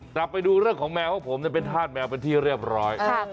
ไปดูเรื่องของแมวเพราะผมเป็นธาตุแมวเป็นที่เรียบร้อย